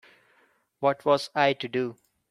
What was I to do?